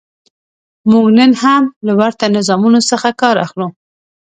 موږ نن هم له ورته نظامونو څخه کار اخلو.